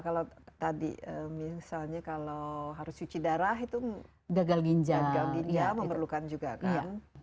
kalau tadi misalnya kalau harus cuci darah itu gagal ginjal ginjal memerlukan juga kan